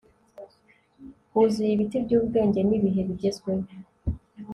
huzuye ibiti byubwenge, nibihe bigezweho